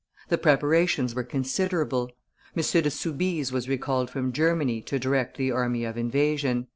The preparations were considerable. M. de Soubise was recalled from Germany to direct the army of invasion.